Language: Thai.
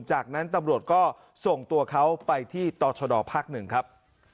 จากนั้นตำรวจก็ส่งตัวเขาไปที่ต่อชดภาคหนึ่งครับ